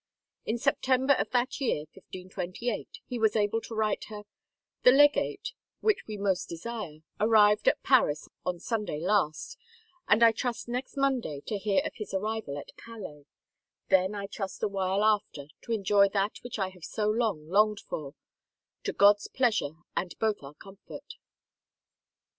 In September of that year 1528 he was able to write her :" The legate, which we most desire, arrived at Paris on Sunday last, and I trust next Monday to hear of his arrival at Calais ; then I trust awhile after to enjoy that which I have so long longed for, to God's pleasure and both our comfort.